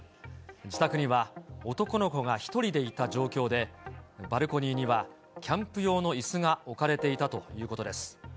自宅には男の子が１人でいた状況で、バルコニーにはキャンプ用のいすが置かれていたということです。